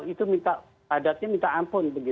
itu minta padatnya minta ampun